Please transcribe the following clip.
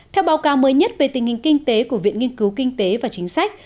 theo báo cáo mới nhất về tình hình kinh tế của viện nghiên cứu kinh tế và chính sách